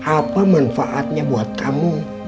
apa manfaatnya buat kamu